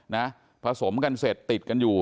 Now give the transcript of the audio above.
นะผสมกันเสร็จติดกันอยู่